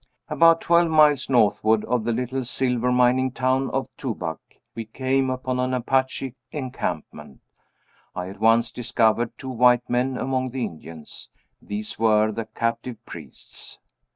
"About twelve miles northward of the little silver mining town of Tubac we came upon an Apache encampment. I at once discovered two white men among the Indians. These were the captive priests.